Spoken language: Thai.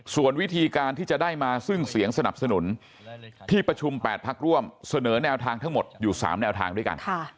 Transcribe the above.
ส่วนวิธีการที่จะได้มาซึ่งเสียงสนับสนุนที่ประชุม๘พักร่วมเสนอแนวทางทั้งหมดอยู่๓แนวทางด้วยกัน